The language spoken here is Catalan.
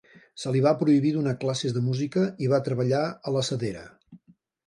Se li va prohibir donar classes de música i va treballar a la sedera.